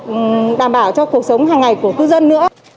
và đảm bảo cho cuộc sống hàng ngày của cư dân nữa